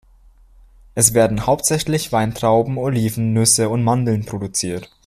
Es werden hauptsächlich Weintrauben, Oliven, Nüsse und Mandeln produziert.